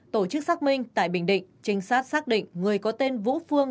tổ chức xác minh tại bình định trinh sát xác định người có tên vũ phương